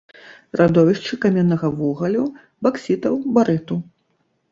Радовішчы каменнага вугалю, баксітаў, барыту.